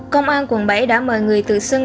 công an quận bảy đã mời người tự xưng